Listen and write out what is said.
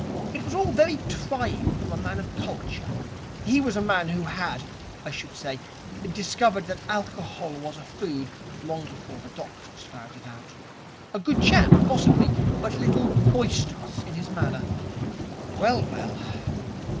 It was all very trying for a man of culture. He was a man who had, I should say, discovered that alcohol was a food long before the doctors found it out. A good chap, possibly, but a little boisterous in his manner. Well, well.'